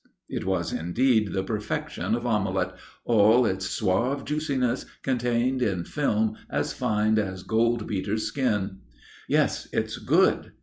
It was indeed the perfection of omelette, all its suave juiciness contained in film as fine as goldbeater's skin. "Yes, it's good."